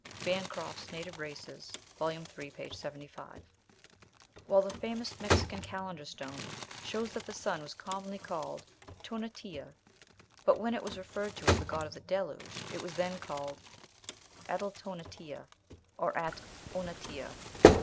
(Bancroft's "Native Races," vol. iii., p. 75.) While the famous Mexican calendar stone shows that the sun was commonly called tonatiuh but when it was referred to as the god of the Deluge it was then called Atl tona ti uh, or At onatiuh.